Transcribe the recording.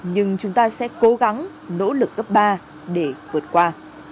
nhưng chúng ta sẽ cố gắng nỗ lực gấp ba để vượt qua